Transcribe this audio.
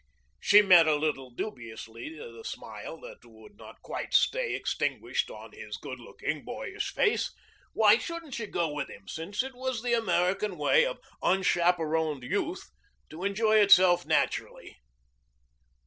She met a little dubiously the smile that would not stay quite extinguished on his good looking, boyish face. Why shouldn't she go with him, since it was the American way for unchaperoned youth to enjoy itself naturally?